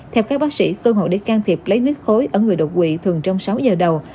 theo các bác sĩ cơ hội để can thiệp lấy huyết khối ở người đột quỵ thường trong sáu giờ đầu